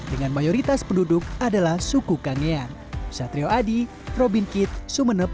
dengan mayoritas penduduk adalah suku kangean